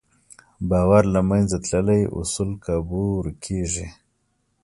باور له منځه تللی، اصول کابو ورکېږي.